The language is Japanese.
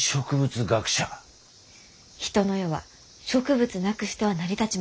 人の世は植物なくしては成り立ちません。